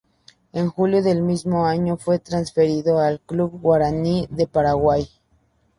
En julio del mismo año fue transferido al Club Guaraní de Paraguay.